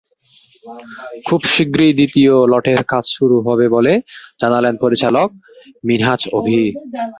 খুব শিগগিরই দ্বিতীয় লটের কাজ শুরু হবে বলে জানালেন পরিচালক মিনহাজ অভি।